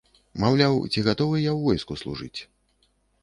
Маўляў, ці гатовы я ў войску служыць.